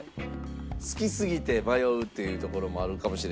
好きすぎて迷うというところもあるかもしれませんが。